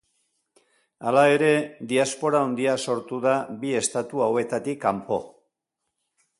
Hala ere, diaspora handia sortu da bi estatu hauetatik kanpo.